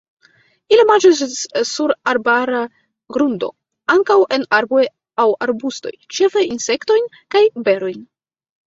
Ili manĝas sur arbara grundo, ankaŭ en arboj aŭ arbustoj, ĉefe insektojn kaj berojn.